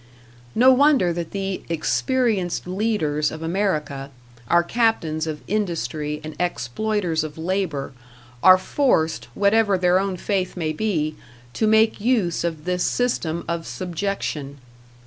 No wonder that the "experienced leaders" of America, our captains of industry and exploiters of labor, are forced, whatever their own faith may be, to make use of this system of subjection.